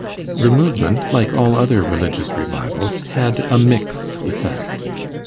The movement, like all other religious 'revivals', had a mixed effect.